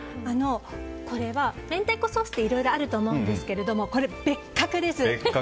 これは明太子ソースっていろいろあると思うんですけどこれ、別格です。